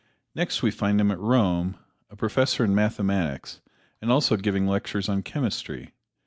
Next we find him at Rome, a professor in mathematics and also giving lectures on chemistry.